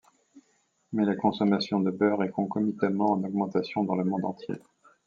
Mais la consommation de beurre est concomitamment en augmentation dans le monde entier.